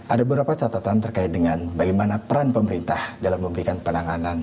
ada beberapa catatan terkait dengan bagaimana peran pemerintah dalam memberikan penanganan